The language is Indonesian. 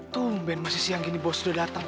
tungguin masih siang gini bos udah datang